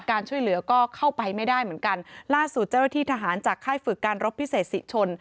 การช่วยเหลือก็เข้าไปไม่ได้เหมือนกันล่าสุดเจ้าหน้าที่ทหารจากค่ายฝึกการรบพิเศษศรีชน